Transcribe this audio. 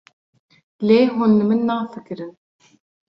Lê hûn li min nafikirin?